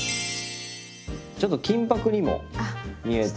ちょっと金ぱくにも見えて。